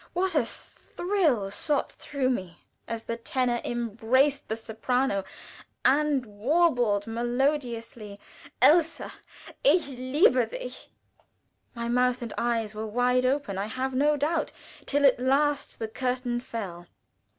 What a thrill shot through me as the tenor embraced the soprano, and warbled melodiously, "Elsa, ich liebe Dich!" My mouth and eyes were wide open, I have no doubt, till at last the curtain fell.